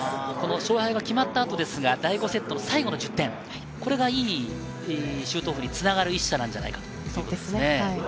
勝敗が決まった後ですが、第５セットの１０点、これがシュートオフにつながる１射になるんじゃないかということですね。